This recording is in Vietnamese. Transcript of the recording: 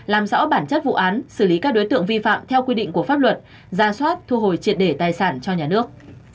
làm rõ bản chất vụ án xử lý các đối tượng vi phạm theo quy định của pháp luật ra soát thu hồi triệt để tài sản cho nhà nước